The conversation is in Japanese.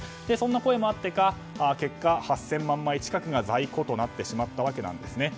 そんな声もあってか結果、８０００万枚近くが在庫となってしまったんです。